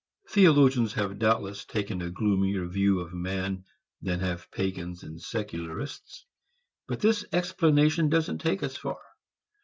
Theologians have doubtless taken a gloomier view of man than have pagans and secularists. But this explanation doesn't take us far.